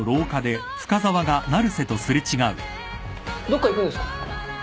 どっか行くんですか？